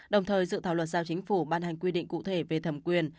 đồng thời dự thảo luật giao chính phủ ban hành quy định cụ thể về thẩm quyền